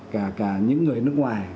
cả cả những người nước ngoài